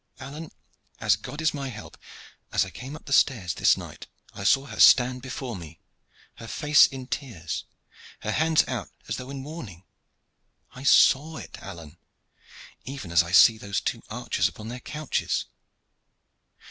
Alleyne, as God is my help, as I came up the stairs this night I saw her stand before me, her face in tears, her hands out as though in warning I saw it, Alleyne, even as I see those two archers upon their couches.